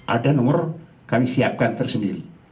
ada nomor kami siapkan tersendiri